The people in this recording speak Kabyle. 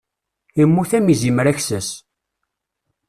Immut am izimer aksas.